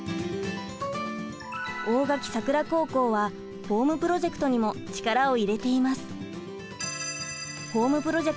大垣桜高校はホームプロジェクトにも力を入れています。